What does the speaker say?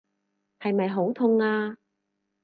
係咪好痛啊？